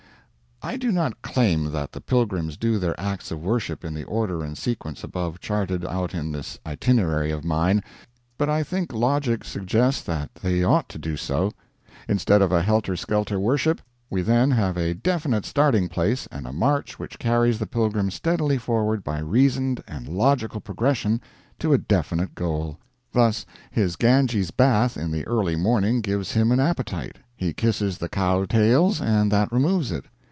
I do not claim that the pilgrims do their acts of worship in the order and sequence above charted out in this Itinerary of mine, but I think logic suggests that they ought to do so. Instead of a helter skelter worship, we then have a definite starting place, and a march which carries the pilgrim steadily forward by reasoned and logical progression to a definite goal. Thus, his Ganges bath in the early morning gives him an appetite; he kisses the cow tails, and that removes it.